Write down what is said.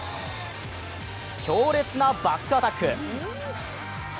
強烈なバックアタック。